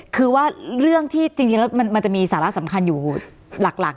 คือว่าเรื่องที่จริงแล้วมันจะมีสาระสำคัญอยู่หลัก